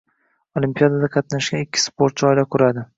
Olimpiadada qatnashgan ikki sportchi oila quradi